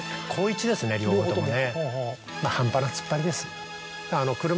両方ともね。